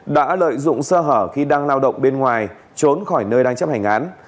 đã lợi dụng sơ hở khi đang lao động bên ngoài trốn khỏi nơi đang chấp hành án